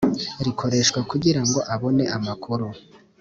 rikoreshwa kugira ngo abone amakuru